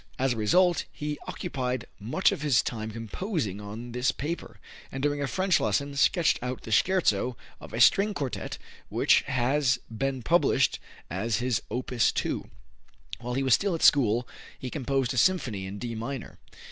As a result, he occupied much of his time composing on this paper, and during a French lesson sketched out the scherzo of a string quartet which has been published as his Opus 2. While he was still at school, he composed a symphony in D minor.